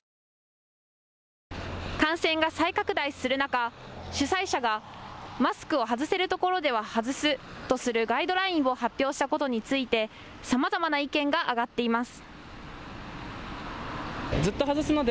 感染が再拡大する中、主催者がマスクを外せるところでは外すとするガイドラインを発表したことについてさまざまな意見が上がっています。